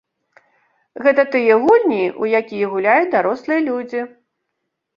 Гэта тыя гульні, у якія гуляюць дарослыя людзі.